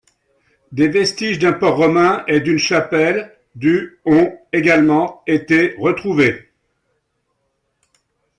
Des vestiges d'un port romain et d'une chapelle du ont également été retrouvés.